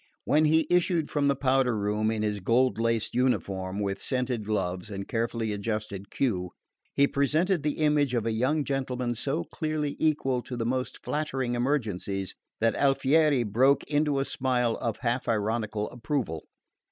When he issued from the powder room in his gold laced uniform, with scented gloves and carefully adjusted queue, he presented the image of a young gentleman so clearly equal to the most flattering emergencies that Alfieri broke into a smile of half ironical approval.